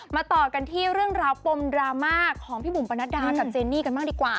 ต่อกันที่เรื่องราวปมดราม่าของพี่บุ๋มปนัดดากับเจนนี่กันบ้างดีกว่า